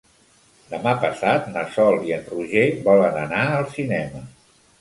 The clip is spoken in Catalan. Demà passat na Sol i en Roger volen anar al cinema.